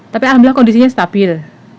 tapi alhamdulillah kondisinya stabil